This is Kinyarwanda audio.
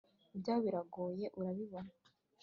ibyawe biragoye urabirora